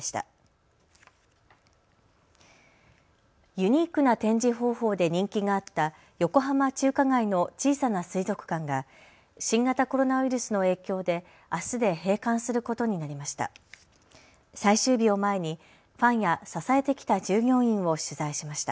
ユニークな展示方法で人気があった横浜中華街の小さな水族館が新型コロナウイルスの影響であすで閉館することになりました。